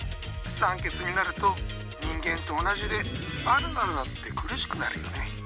酸欠になると人間と同じでバナナだって苦しくなるよね。